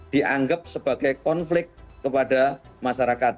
dianggap sebagai konflik kepada masyarakat